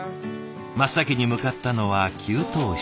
真っ先に向かったのは給湯室。